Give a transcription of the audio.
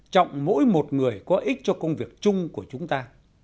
trọng mỗi một người có ích cho công việc chung của chúng ta